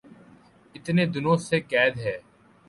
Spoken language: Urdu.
اتنے دنوں سے قید ہیں